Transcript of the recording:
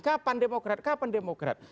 kapan demokrat kapan demokrat